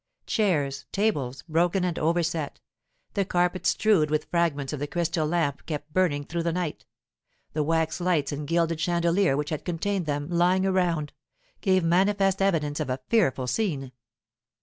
Chairs, tables, broken and overset; the carpet strewed with fragments of the crystal lamp kept burning through the night; the wax lights and gilded chandelier which had contained them, lying around, gave manifest evidence of a fearful scene.